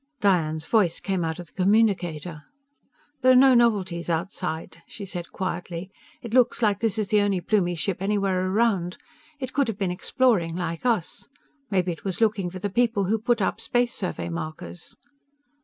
Diane's voice came out of the communicator. "There are no novelties outside," she said quietly. "_It looks like this is the only Plumie ship anywhere around. It could have been exploring, like us. Maybe it was looking for the people who put up Space Survey markers.